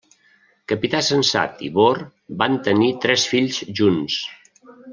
Capità Sensat i Bor van tenir tres fills junts.